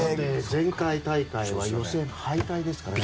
前回大会は予選敗退ですからね。